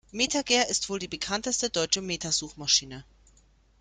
MetaGer ist die wohl bekannteste deutsche Meta-Suchmaschine.